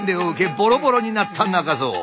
ボロボロになった中蔵。